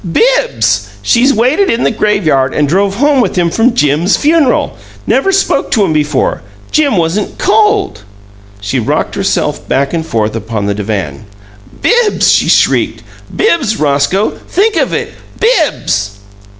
"BIBBS! She waited in the grave yard, and drove home with him from JIM'S FUNERAL! Never spoke to him before! Jim wasn't COLD!" She rocked herself back and forth upon the divan. "Bibbs!" she shrieked. "Bibbs! Roscoe, THINK of it! BIBBS!"